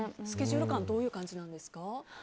スケジュール感はどういう感じなんですか？